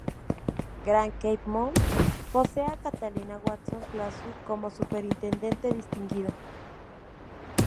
Grand Cape Mount posee a Catalina Watson-Khasu como Superintendente Distinguido.